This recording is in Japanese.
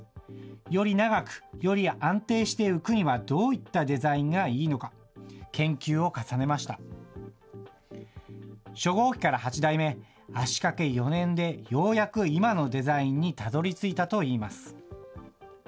より長く、より安定して浮くにはどういったデザインがいいのか、研究を重ね初号機から８台目、足かけ４年でようやく今のデザインにたどりついたといいます。